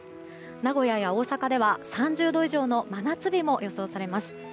名古屋や大阪では３０度以上の真夏日も予想されます。